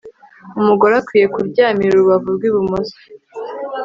umugore akwiye kuryamira urubavu rw'ibumoso